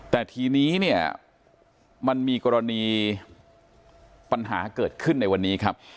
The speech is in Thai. แต่ทีนี้เนี่ยมันมีกรณีปัญหาเกิดขึ้นในวันนี้ครับ